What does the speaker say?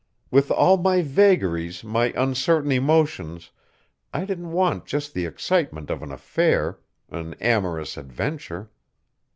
With all my vagaries, my uncertain emotions, I didn't want just the excitement of an affair, an amorous adventure.